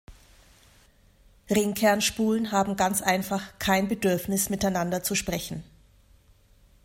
Ringkern-Spulen haben ganz einfach "kein Bedürfnis, miteinander zu sprechen".